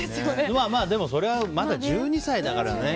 まあ、それはまだ１２歳だからね。